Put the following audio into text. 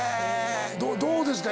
どうですか？